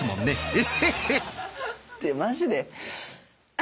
え？